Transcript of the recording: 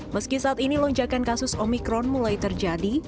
meski saat ini lonjakan kasus omikron mulai terjadi